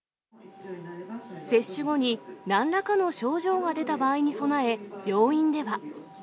接種後になんらかの症状が出た場合に備え、病院では。